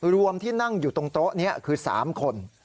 รวมที่นั่งอยู่ตรงโต๊ะนี้คือ๓คน